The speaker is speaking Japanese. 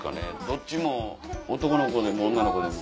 どっちも男の子でも女の子でも。